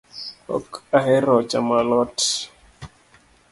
Ok ahero chamo alot